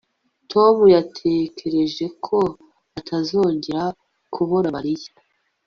Tom yatekereje ko atazongera kubona Mariya